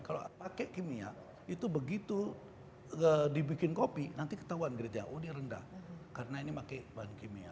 kalau pakai kimia itu begitu dibikin kopi nanti ketahuan gridnya oh dia rendah karena ini pakai bahan kimia